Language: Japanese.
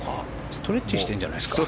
ストレッチしてるんじゃないですか？